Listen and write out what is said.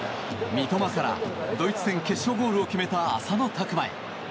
三笘からドイツ戦決勝ゴールを決めた浅野拓磨へ。